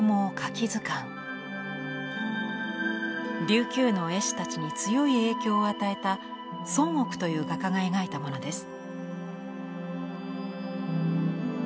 琉球の絵師たちに強い影響を与えた孫億という画家が描いたものです。